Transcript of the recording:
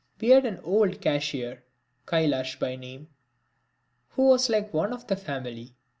We had an old cashier, Kailash by name, who was like one of the family.